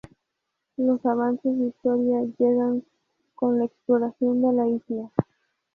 Los avances de historia llegan con la exploración de la isla.